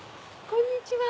こんにちは。